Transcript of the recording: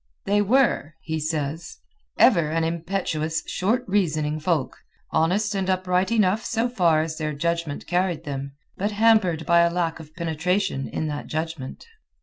"They were," he says, "ever an impetuous, short reasoning folk, honest and upright enough so far as their judgment carried them, but hampered by a lack of penetration in that judgment."